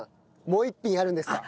もう一品あるんですか？